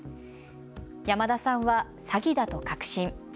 山田さんは詐欺だと確信。